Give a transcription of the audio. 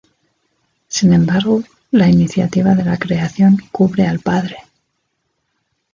Sin embargo, la iniciativa de la creación cubre al Padre.